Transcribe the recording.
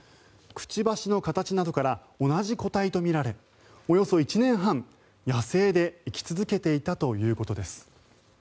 くちばしの形などから同じ個体とみられ、およそ１年半野生で生き続けていたということです。